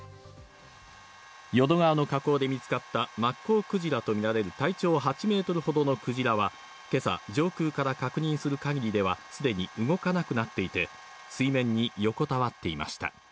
淀川の河口で見つかったマッコウクジラとみられる体長８メートルほどのクジラは、今朝、上空から確認する限りではすでに動かなくなっていて水面に横たわっていました。